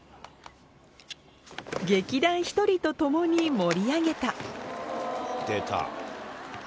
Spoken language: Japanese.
劇団ひとりと共に盛り上げた出た。